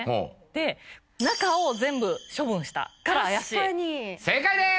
で中を全部処分したから怪しい確かに正解です